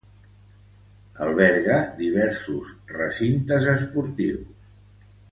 Alberga diversos recintes esportius.